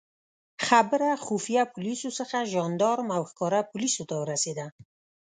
خبره خفیه پولیسو څخه ژندارم او ښکاره پولیسو ته ورسېده.